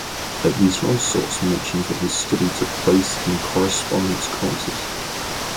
At least one source mentions that his study took place "in correspondence courses".